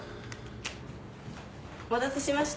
お待たせしました。